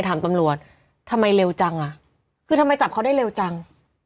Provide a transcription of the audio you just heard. ถามตำรวจทำไมเร็วจังอ่ะคือทำไมจับเขาได้เร็วจัง